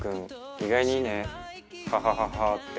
意外にいいね。ハハハハ」って。